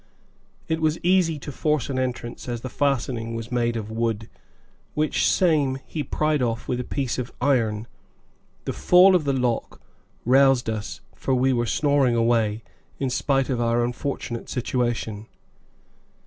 It was easy to force an entrance, as the fastening was made of wood, which same he pried off with a piece of iron. The fall of the lock roused us, for we were snoring away, in spite of our unfortunate situation.